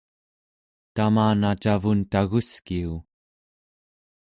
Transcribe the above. tamana cavun taguskiu!